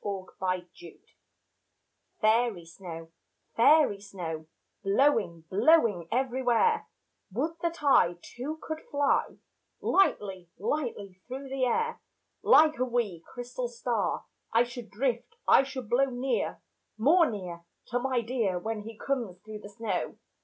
Snow Song Fairy snow, fairy snow, Blowing, blowing everywhere, Would that I Too, could fly Lightly, lightly through the air. Like a wee, crystal star I should drift, I should blow Near, more near, To my dear Where he comes through the snow.